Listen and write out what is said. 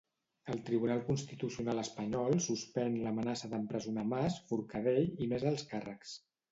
El Tribunal Constitucional espanyol suspèn l'amenaça d'empresonar Mas, Forcadell i més alts càrrecs.